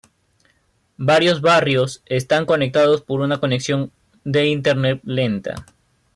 Varios barrios están conectados por una conexión de Internet lenta.